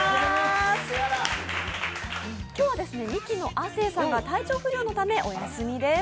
今日はミキの亜生さんが体調不良のためおやすみです。